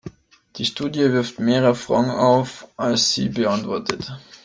Die Studie wirft mehr Fragen auf, als sie beantwortet.